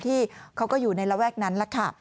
ที่เขาก็อยู่ในระแวกนั้น